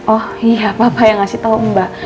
oh iya papa yang ngasih tau mbak